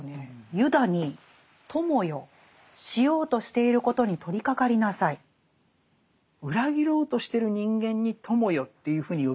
ユダに裏切ろうとしてる人間に「友よ」というふうに呼びかける。